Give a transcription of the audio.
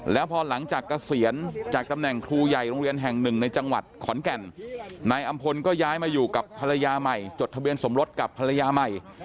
แล้วพอหลังจากเกษียณจากตำแหน่งครูใหญ่โรงเรียนแห่งหนึ่งในจังหวัดขอนแก่นนายอำพลก็ย้ายมาอยู่กับภรรยาใหม่จดทะเบียนสมรสกับภรรยาใหม่